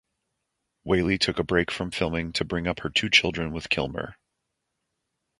Whalley took a break from filming to bring up her two children with Kilmer.